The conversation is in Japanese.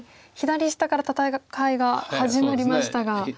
左下から戦いが始まりましたが。